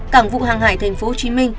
cảng vụ hàng hải tp hcm